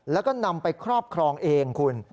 แล้วก็นำไปครอบครองเองคุณ